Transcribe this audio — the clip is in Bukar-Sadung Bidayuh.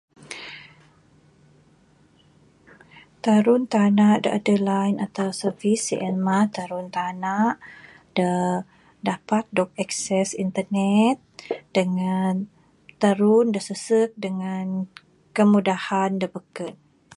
Tarun tanah da adeh line atau servis sien mah tarun tanah da dapat dog akses internet dangan tarun da sesek dangan kemudahan da beken.